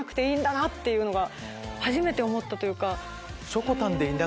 初めて思ったというか。